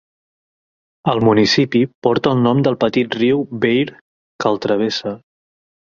El municipi porta el nom del petit riu Bahre que el travessa.